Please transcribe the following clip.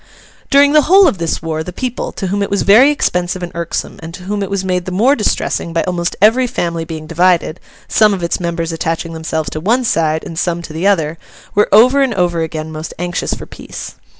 During the whole of this war, the people, to whom it was very expensive and irksome, and to whom it was made the more distressing by almost every family being divided—some of its members attaching themselves to one side and some to the other—were over and over again most anxious for peace.